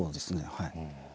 はい。